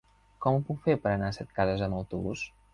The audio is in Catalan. Com ho puc fer per anar a Setcases amb autobús?